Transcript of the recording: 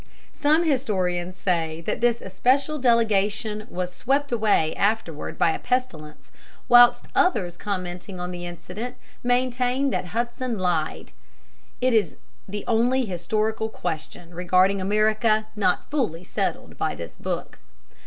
] Some historians say that this especial delegation was swept away afterward by a pestilence, whilst others commenting on the incident maintain that Hudson lied. It is the only historical question regarding America not fully settled by this book.